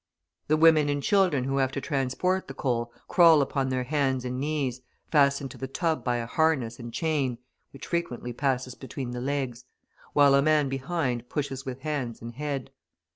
The women and children who have to transport the coal crawl upon their hands and knees, fastened to the tub by a harness and chain (which frequently passes between the legs), while a man behind pushes with hands and head.